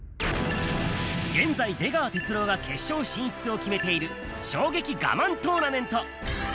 現在、出川哲朗が決勝進出を決めている衝撃我慢トーナメント。